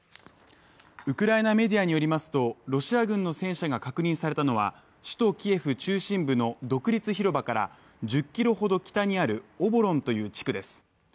ウクライナメディアによりますとロシア軍の戦車が確認されたのは首都キエフ中心部の独立広場から１０ｋｍほど北にあるオボロンという地区です。